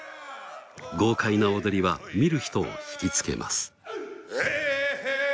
豪快な踊りは見る人をひきつけます。